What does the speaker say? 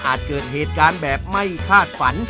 เกิดเหตุการณ์แบบไม่คาดฝัน